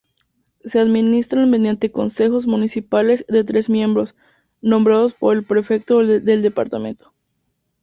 Se administran mediante consejos municipales de tres miembros, nombrados por el prefecto del departamento.